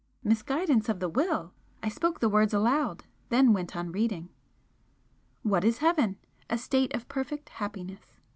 Misguidance of the Will! I spoke the words aloud then went on reading "What is Heaven? A state of perfect happiness.